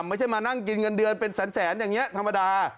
ไม่ใช่มานั่งกินเงินเดือนเป็นแสนอย่างนี้ธรรมดา